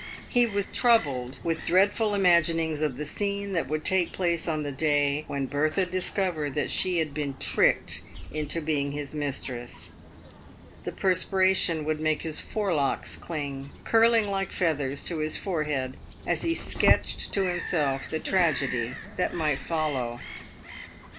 He was troubled with dreadful imaginings of the scene that would take place on the day when Bertha discovered that she had been tricked into being his mistress. The perspiration would make his forelocks cling, curling like feathers, to his forehead as he sketched to himself the tragedy that might follow.